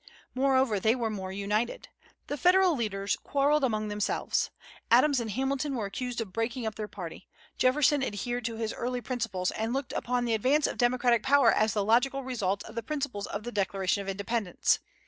Moreover, they were more united. The Federal leaders quarrelled among themselves. Adams and Hamilton were accused of breaking up their party. Jefferson adhered to his early principles, and looked upon the advance of democratic power as the logical result of the principles of the Declaration of Independence.